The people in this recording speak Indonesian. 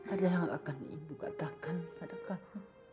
ada yang akan ibu katakan pada kami